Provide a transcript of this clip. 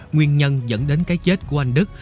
nguyên nhân dẫn đến cái chết của anh đức